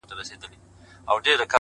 هغه له منځه ولاړ سي _